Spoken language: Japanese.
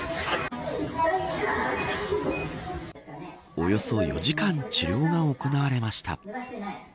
およそ４時間、治療が行われました。